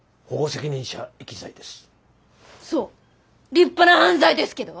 立派な犯罪ですけど？